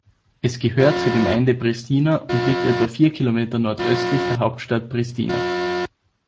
Es gehört zur Gemeinde Pristina und liegt etwa vier Kilometer nordöstlich der Hauptstadt Pristina.